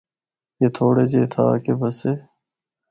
اے تھوڑے جے اِتھا آ کے بسے۔